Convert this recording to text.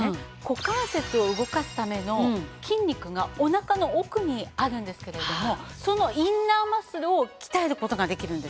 股関節を動かすための筋肉がお腹の奥にあるんですけれどもそのインナーマッスルを鍛える事ができるんですよ。